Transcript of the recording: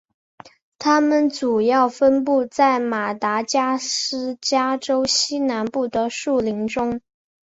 它们主要分布在马达加斯加岛西南部的树林中。